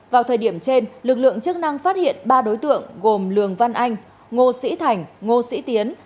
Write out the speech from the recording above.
vào thời điểm trên lực lượng chức năng phát hiện ba đối tượng gồm lường văn anh ngô sĩ thành ngô sĩ tiến